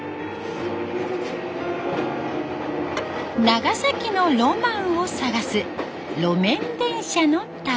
長崎のロマンを探す路面電車の旅。